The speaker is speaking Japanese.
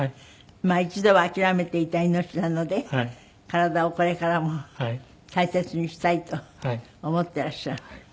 まあ一度は諦めていた命なので体をこれからも大切にしたいと思っていらっしゃる。